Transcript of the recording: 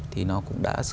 thì nó cũng đã